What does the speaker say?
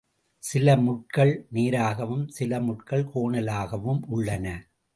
சில முட்கள் நேராகவும், சில முட்கள் கோணலாகவும் உள்ளன.